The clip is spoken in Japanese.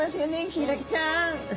ヒイラギちゃん。